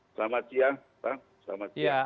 selamat siang pak selamat siang